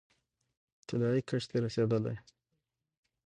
طلايي کښت دې رسیدلی